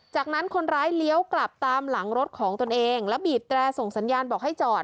จากนั้นคนร้ายเลี้ยวกลับตามหลังรถของตนเองแล้วบีบแตรส่งสัญญาณบอกให้จอด